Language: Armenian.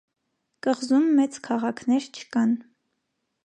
Կղզում մեծ քաղաքներ չկան։